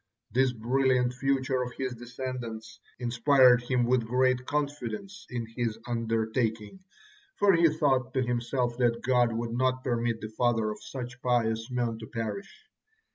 This brilliant future of his descendants inspired him with great confidence in his undertaking, for he thought to himself that God would not permit the father of such pious men to perish.